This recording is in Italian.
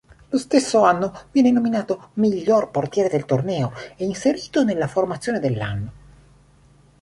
Lo stesso anno viene nominato miglior portiere del torneo e inserito nella formazione dell'anno.